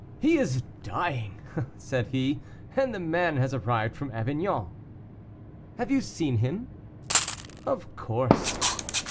"He is dying," said he, "and the man has arrived from Avignon." "Have you seen him?" "Of course."